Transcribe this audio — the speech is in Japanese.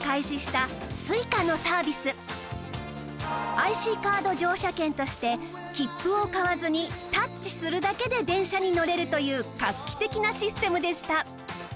ＩＣ カード乗車券として切符を買わずにタッチするだけで電車に乗れるという画期的なシステムでした